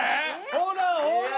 ほらほら！